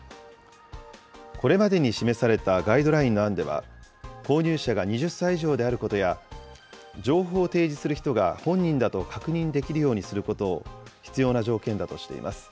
これまでに示されたガイドラインの案では、購入者が２０歳以上であることや、情報を提示する人が本人だと確認できるようにすることを必要な条件だとしています。